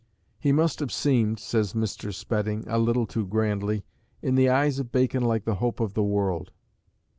"He must have seemed," says Mr. Spedding, a little too grandly, "in the eyes of Bacon like the hope of the world."